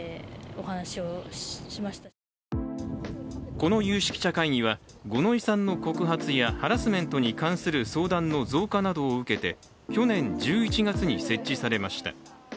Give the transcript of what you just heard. この有識者会議は、五ノ井さんの告発やハラスメントに関する相談の増加などを受けて去年１１月に設置されました。